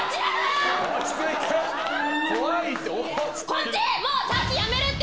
こっち！